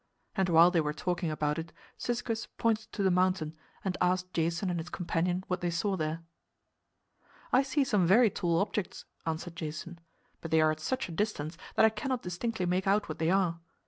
And while they were talking about it Cyzicus pointed to the mountain and asked Jason and his companions what they saw there. "I see some very tall objects," answered Jason, "but they are at such a distance that I cannot distinctly make out what they are.